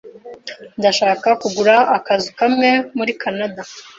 Ndashaka kugura akazu kamwe muri Kanada.